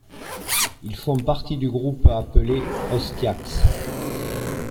Ils font partie du groupe appelé Ostiaks.